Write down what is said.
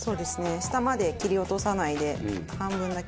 下まで切り落とさないで半分だけ。